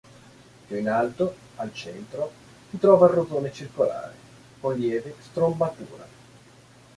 Più in alto, al centro, si trova il rosone circolare, con lieve strombatura.